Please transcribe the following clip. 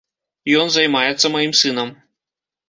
Ён займаецца маім сынам.